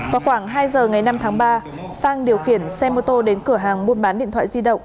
vào khoảng hai giờ ngày năm tháng ba sang điều khiển xe mô tô đến cửa hàng buôn bán điện thoại di động